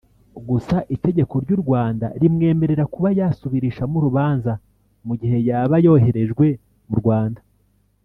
Gusa itegeko ry’u Rwanda rimwemerera kuba yasubirishamo urubanza mu gihe yaba yoherejwe mu Rwanda